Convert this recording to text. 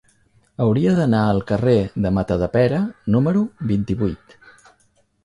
Hauria d'anar al carrer de Matadepera número vint-i-vuit.